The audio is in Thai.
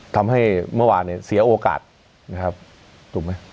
ทำให้เมื่อวานเนี่ยเสียโอกาสนะครับถูกไหม